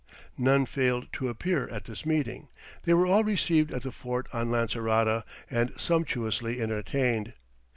None failed to appear at this meeting; they were all received at the fort on Lancerota, and sumptuously entertained.